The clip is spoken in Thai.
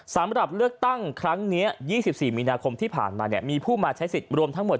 สำหรับเลือกตั้งครั้งนี้๒๔มีนาคมที่ผ่านมามีผู้มาใช้สิทธิ์รวมทั้งหมด